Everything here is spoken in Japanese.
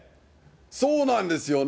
そうなんですよね。